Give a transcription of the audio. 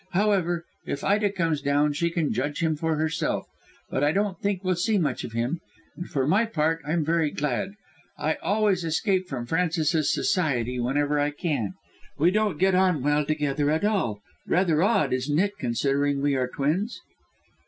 However, if Ida comes down she can judge him for herself. But I don't think we'll see much of him, and for my part I'm very glad. I always escape from Francis's society whenever I can. We don't get on well together at all; rather odd, isn't it, considering we are twins?"